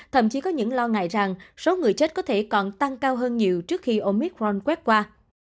thậm chí có những lo ngại rằng số người chết có thể còn tăng cao hơn nhiều trước khi omicron quét qua